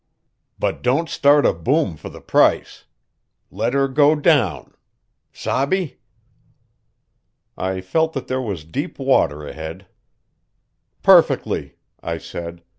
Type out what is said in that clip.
But don't start a boom for the price. Let her go down. Sabe?" I felt that there was deep water ahead. "Perfectly," I said.